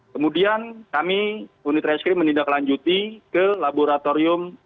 kemudian kami unit reskrim menindaklanjuti ke laboratorium